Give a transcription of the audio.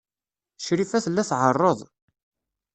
Crifa tella tɛerreḍ.